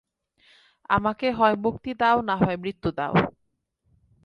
আমাকে হয় মুক্তি দাও না হয় মৃত্যু দাও।